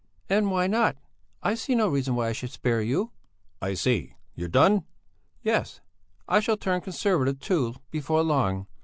"And why not? I see no reason why I should spare you." "I see! You're done!" "Yes! I shall turn Conservative too, before long.